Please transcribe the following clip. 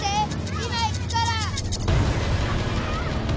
今行くから。